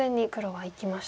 はい。